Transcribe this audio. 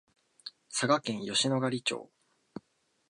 佐賀県吉野ヶ里町